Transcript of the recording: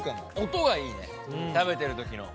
音がいいね食べてる時の。